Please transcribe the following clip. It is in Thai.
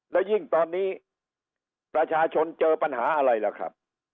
แล้วยิ่งตอนนี้ประชาชนเจอปัญหาอะไรล่ะครับ